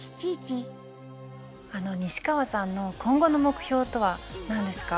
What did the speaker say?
西川さんの今後の目標とは何ですか？